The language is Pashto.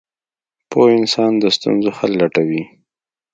• پوه انسان د ستونزو حل لټوي.